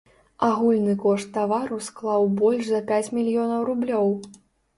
Агульны кошт тавару склаў больш за пяць мільёнаў рублёў.